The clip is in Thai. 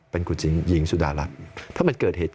เป็นคุณสุดารัฐ